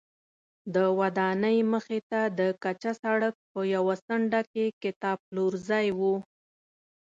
د ودانۍ مخې ته د کچه سړک په یوه څنډه کې کتابپلورځی و.